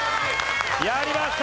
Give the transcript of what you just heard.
やりました！